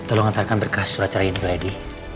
tolong hantarkan berkah secara cerahin ke lady